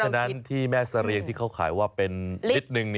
เพราะฉะนั้นที่แม่สะเรียงที่เขาขายว่าเป็นลิตรหนึ่ง